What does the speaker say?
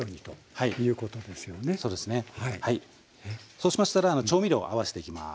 そうしましたら調味料を合わせていきます。